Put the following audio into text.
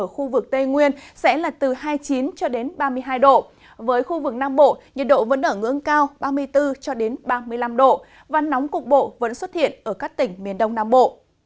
ở khu vực tây nguyên sẽ là từ hai mươi chín ba mươi hai độ với khu vực nam bộ nhiệt độ vẫn ở ngưỡng cao ba mươi bốn ba mươi năm độ và nóng cục bộ vẫn xuất hiện ở các tỉnh miền đông nam bộ